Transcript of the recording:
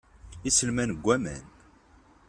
Iselman deg waman.